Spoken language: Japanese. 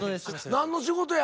何の仕事や？